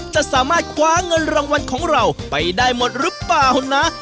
จะสามารถคว้าเงินรางวัลของเราไปได้หมดหรือเปล่านะ